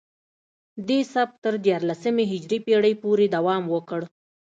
دې سبک تر دیارلسمې هجري پیړۍ پورې دوام وکړ